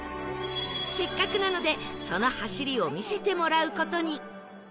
せっかくなのでその走りを見せてもらう事に